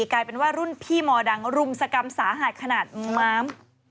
กลายเป็นว่ารุ่นพี่มดังรุมสกรรมสาหัสขนาดม้าม